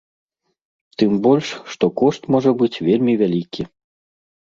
Тым больш, што кошт можа быць вельмі вялікі.